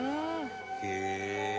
「へえ」